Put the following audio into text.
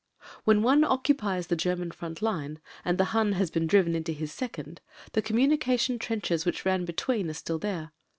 When one occupies the German front line and the Hun has been driven into his second, the communica tion trenches which ran between are still there.